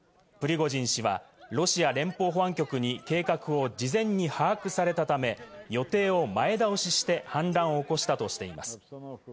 プリゴジン氏はロシア連邦保安局に計画を事前に把握されたため、予定を前倒しして反乱を起こしたとしています。